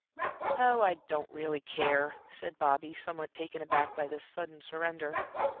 "Oh, I don't really care," said Bobby, somewhat taken aback by this sudden surrender.